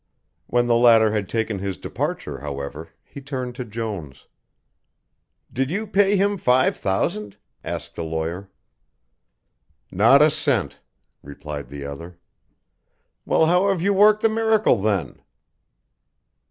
When the latter had taken his departure, however, he turned to Jones. "Did you pay him five thousand?" asked the lawyer. "Not a cent," replied the other. "Well, how have you worked the miracle, then?"